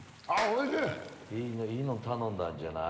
いいの頼んだんじゃない？